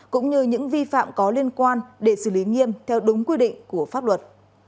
cũng như những vi phạm có liên quan để xử lý nghiêm theo đúng quy định của pháp luật